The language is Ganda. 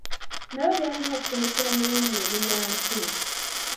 Nabyo byalina kusomesebwa mu Lulimi olunnansi.